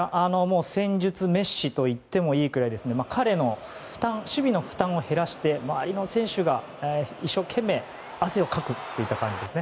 戦術メッシといってもいいくらい彼の守備の負担を減らして周りの選手が一生懸命汗をかくといった感じですね。